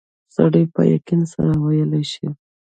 سړی په یقین سره ویلای شي.